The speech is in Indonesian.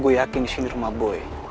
gue yakin di sini rumah boy